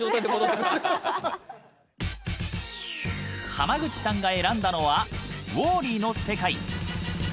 濱口さんが選んだのは「ウォーリー」の世界。